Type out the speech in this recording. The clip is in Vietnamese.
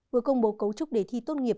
vừa công bố cấu trúc đề thi tốt nghiệp